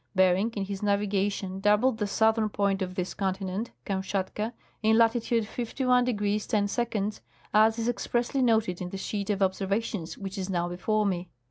" Bering in his navigation doubled the southern point of this continent [Kamshatka] in latitude 51° 10'^, as is expressly noted in the sheet of observations which is now before me.